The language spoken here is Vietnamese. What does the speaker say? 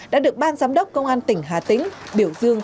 đã được ban giám đốc công an tỉnh hà tĩnh biểu dương